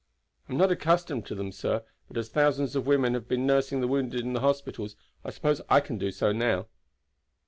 "I am not accustomed to them, sir; but as thousands of women have been nursing the wounded in the hospitals, I suppose I can do so now."